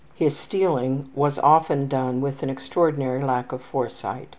His stealing was often done with an extraordinary lack of foresight.